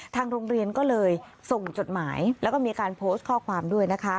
ทางโรงเรียนก็เลยส่งจดหมายแล้วก็มีการโพสต์ข้อความด้วยนะคะ